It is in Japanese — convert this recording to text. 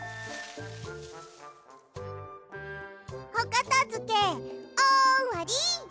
おかたづけおわり！